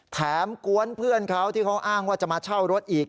กวนเพื่อนเขาที่เขาอ้างว่าจะมาเช่ารถอีก